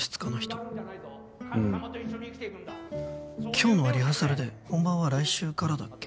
今日のはリハーサルで本番は来週からだっけ？